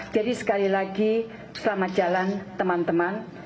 jadi sekali lagi selamat jalan teman teman